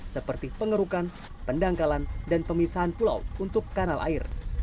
seperti pengerukan pendangkalan dan pemisahan pulau untuk kanal air